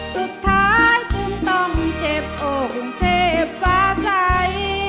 สุดท้ายจึงต้องเจ็บโอ้ภูมิเทพฟ้าใจ